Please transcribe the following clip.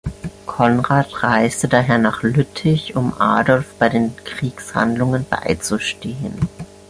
Konrad reiste daher nach Lüttich, um Adolf bei den Kriegshandlungen beizustehen.